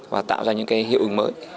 và tạo ra những cái hiệu ứng mới